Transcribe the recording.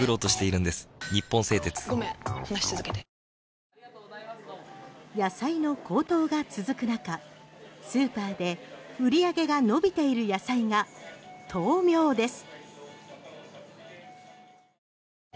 めん話つづけて野菜の高騰が続く中スーパーで売り上げが伸びている野菜が豆苗です。